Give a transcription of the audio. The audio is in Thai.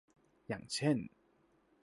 อย่างเช่น